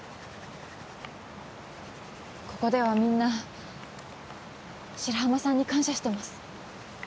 ここではみんな白浜さんに感謝してます